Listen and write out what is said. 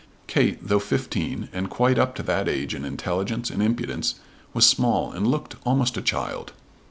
Kate, though fifteen, and quite up to that age in intelligence and impudence, was small and looked almost a child.